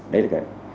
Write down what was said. đấy là cái